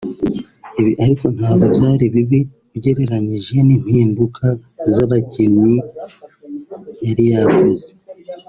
Ibi ariko ntabwo byari bibi ugereranyije n’impinduka z’abakinnyi yari yakoze